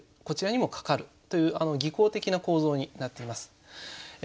こちらにもかかるという技巧的な構造になっています。